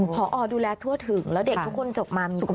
พอดูแลทั่วถึงแล้วเด็กทุกคนจบมามีคน